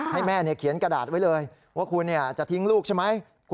ให้แม่เขียนกระดาษไว้เลยว่าคุณจะทิ้งลูกใช่ไหม